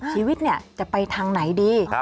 ชีวิตจะไปทางไหนดี